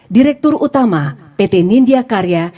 direktur utama pt nindya karya